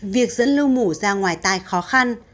việc dẫn lưu mủ ra ngoài tay khó khăn